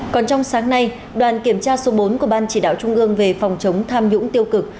còn trong sáng nay đoàn kiểm tra số bốn của ban chỉ đạo trung ương về phòng chống tham nhũng tiêu cực